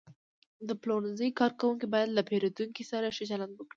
د پلورنځي کارکوونکي باید له پیرودونکو سره ښه چلند وکړي.